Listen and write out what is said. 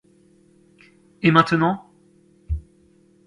Et maintenant ?